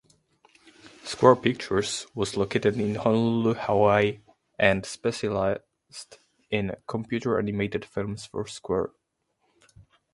Square Pictures was located in Honolulu, Hawaii and specialized in computer-animated films for Square.